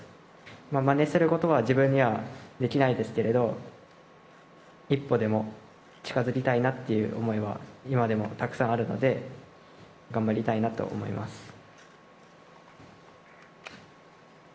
まねすることは自分にはできないですけれど、一歩でも近づきたいなっていう思いは今でもたくさんあるので、頑張りたいなと思います。